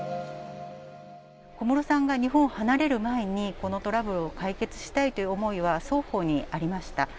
小室さんが日本を離れる前に、このトラブルを解決したいという思いは双方にありました。